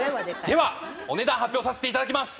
ではお値段発表させて頂きます。